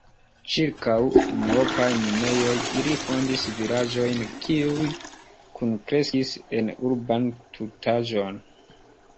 Ĉirkaŭ unuopaj minejoj ili fondis vilaĝojn, kiuj kunkreskis en urban tutaĵon.